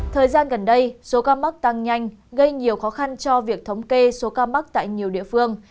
thời gian gần đây số ca mắc tăng nhanh gây nhiều khó khăn cho việc thống kê số ca mắc tại nhiều địa phương